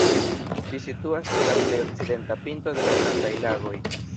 Ĝi situas ĉe la plej okcidenta pinto de la Grandaj Lagoj.